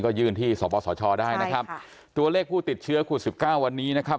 ก็ยื่นที่สปสชได้นะครับตัวเลขผู้ติดเชื้อโควิดสิบเก้าวันนี้นะครับ